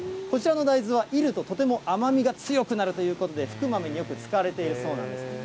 こちらの大豆は煎るととても甘みが強くなるということで、福豆によく使われているそうなんです。